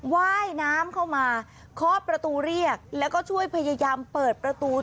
ว่ายน้ำเข้ามาเคาะประตูเรียกแล้วก็ช่วยพยายามเปิดประตู